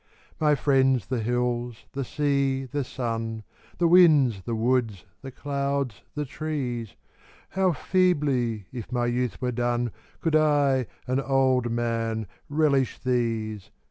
My friends the hills, the sea, the sun, The winds, the woods, the clouds, the trees How feebly, if my youth were done, Could I, an old man, relish these